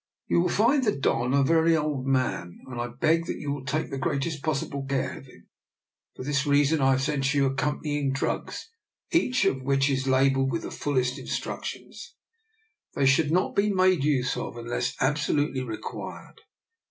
" You will find the Don a very old man, and I beg that you will take the greatest pos sible care of him. For this reason, I have sent you the accompanying drugs, each of which is labelled with the fullest instructions. DR. NIKOLA'S EXPERIMENT. 69 They should not be made use of unless abso lutely required."